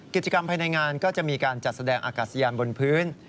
กิจกรรมภายในงานก็จะมีการจัดแสดงอากาศยานบนพื้น